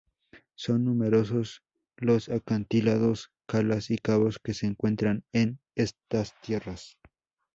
Son numerosos los acantilados, calas y cabos que se encuentran en estas tierras.